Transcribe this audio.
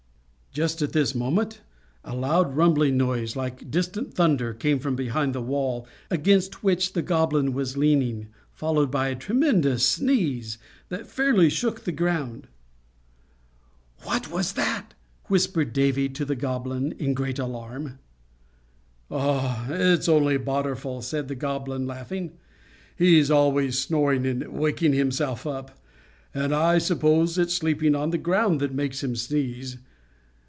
Just at this moment a loud, rumbling noise, like distant thunder, came from behind the wall against which the Goblin was leaning, followed by a tremendous sneeze, that fairly shook the ground. "What's that?" whispered Davy to the Goblin, in great alarm. "It's only Badorful," said the Goblin, laughing. "He's always snoring and waking himself up, and I suppose it's sleeping on the ground that makes him sneeze.